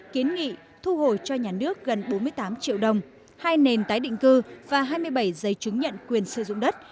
kiến nghị thu hồi cho nhà nước gần bốn mươi tám triệu đồng hai nền tái định cư và hai mươi bảy giấy chứng nhận quyền sử dụng đất